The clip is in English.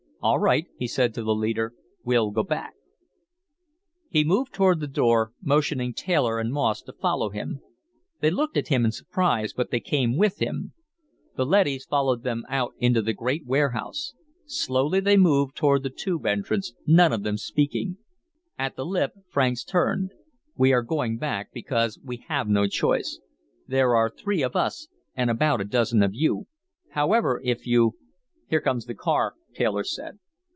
"All right," he said to the leader. "We'll go back." He moved toward the door, motioning Taylor and Moss to follow him. They looked at him in surprise, but they came with him. The leadys followed them out into the great warehouse. Slowly they moved toward the Tube entrance, none of them speaking. At the lip, Franks turned. "We are going back because we have no choice. There are three of us and about a dozen of you. However, if " "Here comes the car," Taylor said.